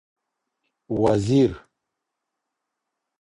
وزیر